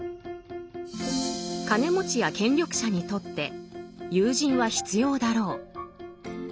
金持ちや権力者にとって友人は必要だろう。